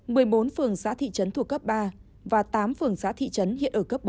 một mươi bốn phường xã thị trấn thuộc cấp ba và tám phường xã thị trấn hiện ở cấp bốn